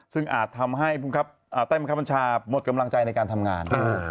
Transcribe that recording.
ซึ่งอาจทำให้ใต้บังคับบัญชาหมดกำลังใจในการทำงาน